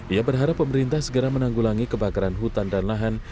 ia berharap pemerintah segera menanggulangi kebakaran hutan dan lahan